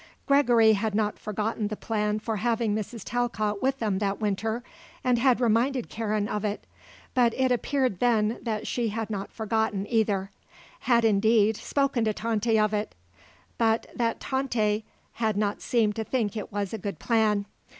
Gregory had not forgotten the plan for having Mrs. Talcott with them that winter and had reminded Karen of it, but it appeared then that she had not forgotten, either; had indeed, spoken to Tante of it; but that Tante had not seemed to think it a good plan.